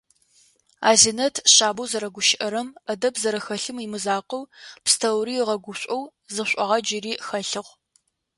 Азинэт шъабэу зэрэгущыӏэрэм, ӏэдэб зэрэхэлъым имызакъоу, пстэури ыгъэгушӏоу зы шӏуагъэ джыри хэлъыгъ.